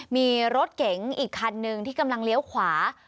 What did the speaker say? มีรถเก๋งอีกคันหนึ่งที่กำลังเลี้ยวขวา